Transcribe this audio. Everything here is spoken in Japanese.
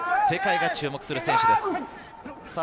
世界が注目する選手です。